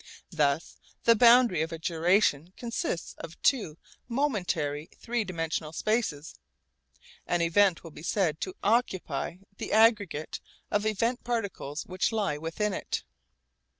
Thus the boundary of a duration consists of two momentary three dimensional spaces. An event will be said to 'occupy' the aggregate of event particles which lie within it.